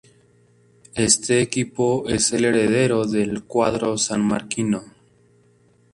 Este equipo es el heredero del cuadro sanmarquino.